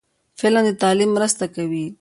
فلم د تعلیم مرسته کوي